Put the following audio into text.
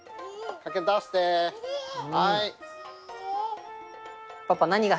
はい。